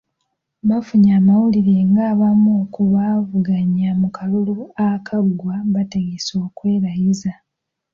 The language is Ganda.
Bafunye amawulire ng'abamu ku baavuganya mu kalulu akaggwa bategese okwerayiza.